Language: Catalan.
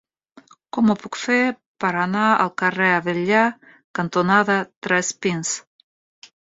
Com ho puc fer per anar al carrer Avellà cantonada Tres Pins?